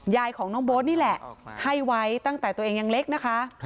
ยายของน้องโบ๊ทนี่แหละให้ไว้ตั้งแต่ตัวเองยังเล็กนะคะ